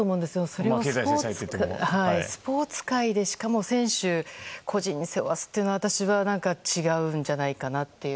それがスポーツ界でしかも選手個人に背負わせるのは私は違うんじゃないかなと。